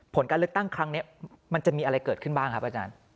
ผลการเลือกตั้งครั้งนี้มันจะมีอะไรเกิดขึ้นบ้างครับอาจารย์